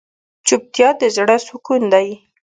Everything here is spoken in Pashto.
چوپتیا، د زړه سکون دی.